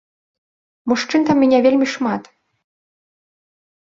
Мужчын там і не вельмі шмат.